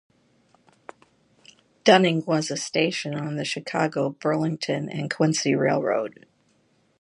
Dunning was a station on the Chicago, Burlington and Quincy Railroad.